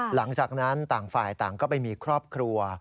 หลังจากนั้นต่างฝ่ายต่างก็ไปมีครอบครัว